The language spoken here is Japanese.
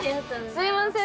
すいません